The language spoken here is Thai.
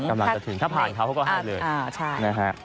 กำลังจะถึงถ้าผ่านเขาเขาก็ให้เลยนะฮะ